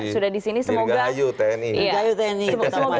sudah disini semoga